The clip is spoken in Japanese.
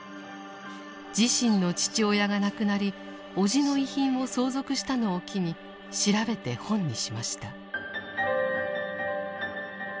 自身の父親が亡くなり叔父の遺品を相続したのを機に調べて本にしました。